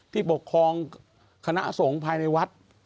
ที่ปกครองคณะสงฆ์ภายในวัด